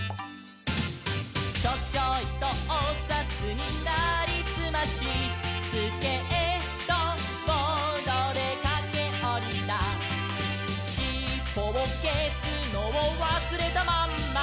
「チョチョイとおさつになりすまし」「スケートボードでかけおりた」「しっぽをけすのをわすれたまんま」